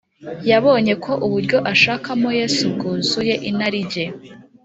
Yabonye ko uburyo ashaka mo Yesu bwuzuye inarijye.